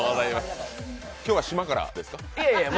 今日は島からですか？